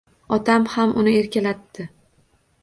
Otam ham uni erkalatdi.